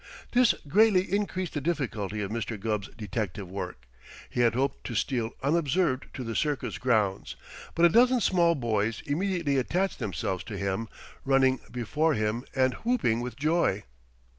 This greatly increased the difficulty of Mr. Gubb's detective work. He had hoped to steal unobserved to the circus grounds, but a dozen small boys immediately attached themselves to him, running before him and whooping with joy.